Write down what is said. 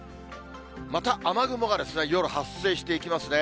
また雨雲が夜発生していきますね。